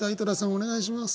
お願いします。